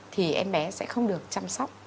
thì em bé sẽ không được chăm sóc